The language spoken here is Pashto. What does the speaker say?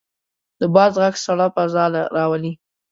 د باد غږ سړه فضا راولي.